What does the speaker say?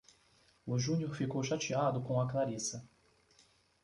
O Júnior ficou chateado com a Clarissa.